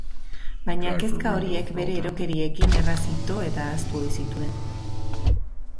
Baina kezka horiek bere erokeriekin erraz ito eta ahaztu ohi zituen.